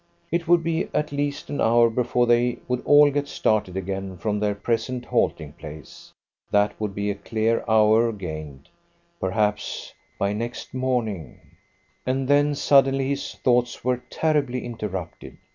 It would be at least an hour before they would all get started again from their present halting place. That would be a clear hour gained. Perhaps by next morning And then, suddenly, his thoughts were terribly interrupted.